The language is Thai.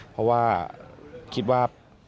เพราะว่าคิดว่า